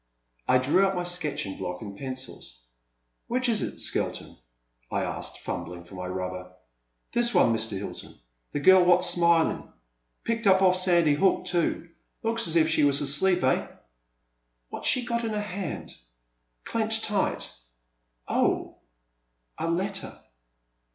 *' I drew out my sketching block and pencils. '* Which is it, Skelton ?*' I asked, fumbling for my rubber. This one, Mr. Hilton, the girl what 's smilin'. Picked up oflF Sandy Hook, too. Looks as if she was asleep, eh?" What 's she got in her hand — clenched tight ? Oh, — a letter.